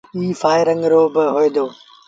ائيٚݩ سآئي رنگ رو با هوئي دو۔